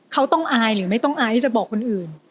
เขาต้องอายหรือไม่ต้องอายที่จะบอกคนอื่น